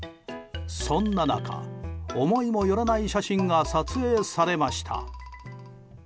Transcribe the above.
そんな中、思いもよらない写真が撮影されました。